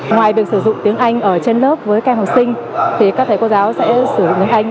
ngoài việc sử dụng tiếng anh ở trên lớp với các em học sinh thì các thầy cô giáo sẽ sử dụng tiếng anh